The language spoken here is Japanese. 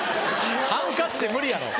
ハンカチじゃ無理やろ。